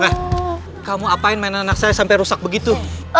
hah kamu ngapain mainan anak saya sampai rusak begitu